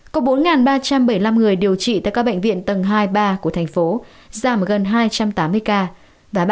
có bốn ba trăm bảy mươi năm người điều trị tại các bệnh viện tầng hai ba của thành phố giảm gần hai trăm tám mươi ca